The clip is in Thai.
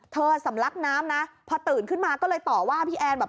สำลักน้ำนะพอตื่นขึ้นมาก็เลยต่อว่าพี่แอนแบบ